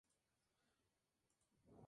Limita al norte con Cee.